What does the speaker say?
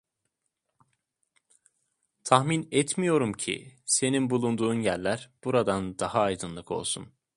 Tahmin etmiyorum ki senin bulunduğun yerler buradan daha aydınlık olsun.